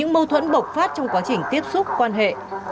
mâu thuẫn bộc phát trong quá trình tiếp xúc quan hệ